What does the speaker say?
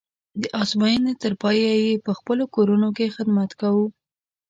د ازموینې تر پایه یې په خپلو کورونو کې خدمت کوو.